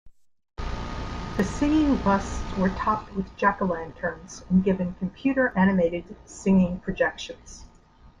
The singing busts were topped with Jack-O-Lanterns and given computer-animated singing projections.